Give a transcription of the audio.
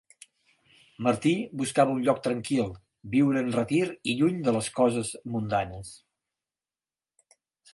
Martí buscava un lloc tranquil viure en retir i lluny de les coses mundanes.